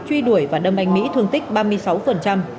truy đuổi và đâm anh mỹ thương tích ba mươi sáu